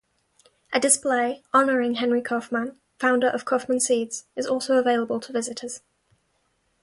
A display honoring Henry Kaufman, founder of Kaufman Seeds, is also available to visitors.